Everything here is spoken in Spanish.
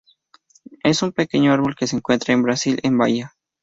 Es un pequeño árbol que se encuentra en Brasil en Bahía.